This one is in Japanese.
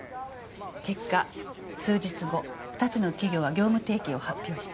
結果数日後２つの企業は業務提携を発表した。